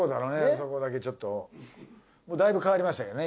そこだけちょっとだいぶ変わりましたけどね